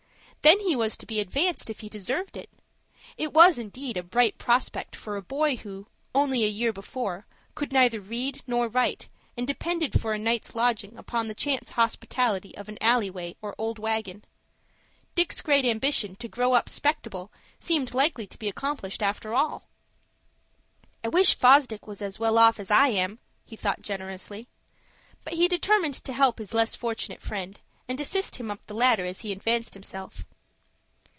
Then he was to be advanced if he deserved it. It was indeed a bright prospect for a boy who, only a year before, could neither read nor write, and depended for a night's lodging upon the chance hospitality of an alley way or old wagon. Dick's great ambition to "grow up 'spectable" seemed likely to be accomplished after all. "I wish Fosdick was as well off as I am," he thought generously. But he determined to help his less fortunate friend, and assist him up the ladder as he advanced himself.